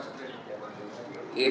seperti apa pak